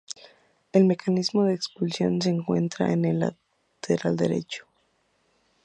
El mecanismo de expulsión se encuentra en el lateral derecho.